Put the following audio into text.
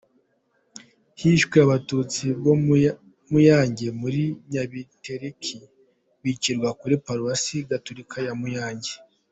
Hishwe Abatutsi b’ i Muyange muri Nyabitekeri bicirwa kuri Paruwasi Gatulika ya Muyange.